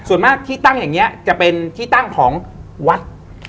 ส่วนมากที่ตั้งอย่างนี้จะเป็นที่ตั้งของวัด